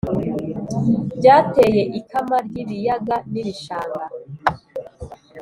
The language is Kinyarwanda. byateye ikama ry’ibiyaga n’ibishanga.